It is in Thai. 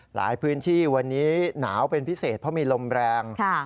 หลายพื้นที่วันนี้หนาวเป็นพิเศษเพราะมีลมแรง